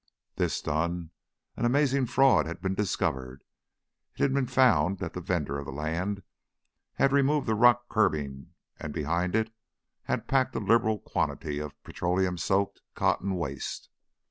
This done, an amazing fraud had been discovered. It had been found that the vendor of the land had removed the rock curbing and behind it had packed a liberal quantity of petroleum soaked cotton waste.